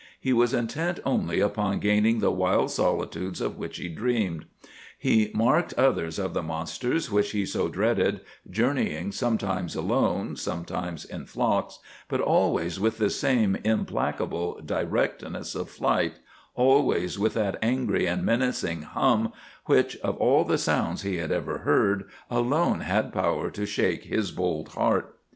He was intent only upon gaining the wild solitudes of which he dreamed. He marked others of the monsters which he so dreaded, journeying sometimes alone, sometimes in flocks, but always with the same implacable directness of flight, always with that angry and menacing hum which, of all the sounds he had ever heard, alone had power to shake his bold heart.